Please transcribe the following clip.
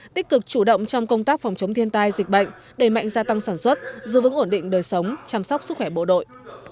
tích cực chủ động trong công tác phòng chống thiên tai dịch bệnh đẩy mạnh gia tăng sản xuất giữ vững ổn định đời sống chăm sóc sức khỏe bộ đội